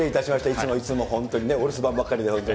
いつもいつも、本当にね、お留守番ばっかりで。